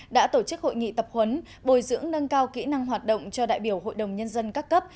đã tổ chức hội nghị tập huấn bồi dưỡng nâng cao kỹ năng hoạt động cho đại biểu hội đồng nhân dân các cấp